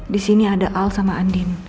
di sini ada al sama andin